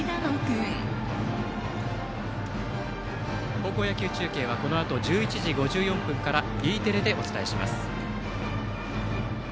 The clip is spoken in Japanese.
高校野球中継はこのあと１１時５４分からＥテレでお伝えします。